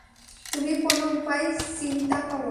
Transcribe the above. তুমি কোন উপায় চিন্তা কর।